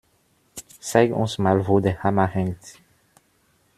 Zeig uns mal, wo der Hammer hängt!